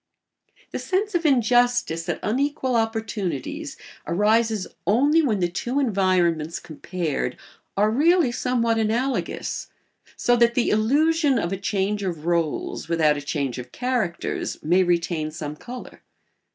The sense of injustice at unequal opportunities arises only when the two environments compared are really somewhat analogous, so that the illusion of a change of rôles without a change of characters may retain some colour.